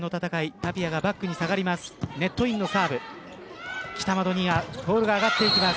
タピアがバックに下がります。